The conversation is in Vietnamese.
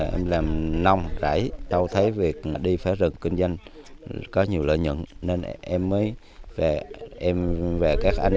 em làm nông rãi đâu thấy việc đi phá rừng kinh doanh có nhiều lợi nhuận nên em mới về các anh